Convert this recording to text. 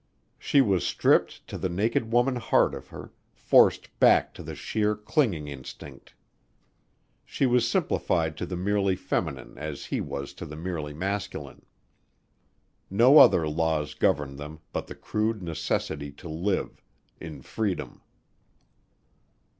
She was stripped to the naked woman heart of her, forced back to the sheer clinging instinct. She was simplified to the merely feminine as he was to the merely masculine. No other laws governed them but the crude necessity to live in freedom.